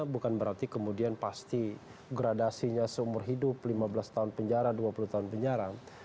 bukan berarti kemudian pasti gradasinya seumur hidup lima belas tahun penjara dua puluh tahun penjara